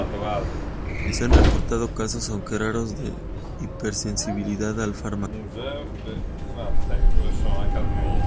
Se han reportado casos, aunque raros de hipersensibilidad al fármaco.